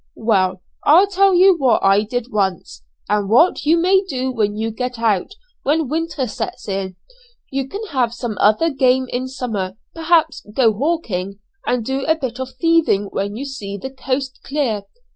"Well, I'll tell you what I did once, and what you may do when you get out, when winter sets in; you can have some other game in summer, perhaps go hawking, and do a bit of thieving when you see the coast clear.